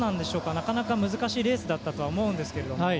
なかなか難しいレースだったと思うんですが。